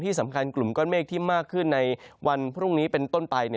สำคัญกลุ่มก้อนเมฆที่มากขึ้นในวันพรุ่งนี้เป็นต้นไป